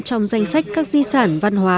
trong danh sách các di sản văn hóa